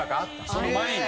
その前に？